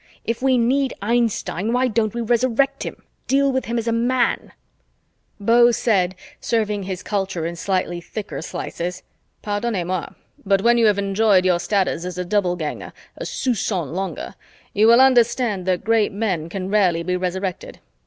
"If we need Einstein, why don't we Resurrect him, deal with him as a man?" Beau said, serving his culture in slightly thicker slices, "Pardonnez moi, but when you have enjoyed your status as Doubleganger a soupcon longer, you will understand that great men can rarely be Resurrected.